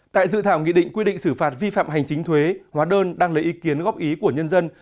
tại dự thảo nghị định quy định xử phạt vi phạm hành chính thuế hóa đơn đang lấy ý kiến góp ý của nhân dân